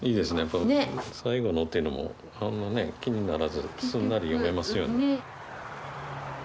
この「最後の」っていうのもあんまね気にならずすんなり読めますよね。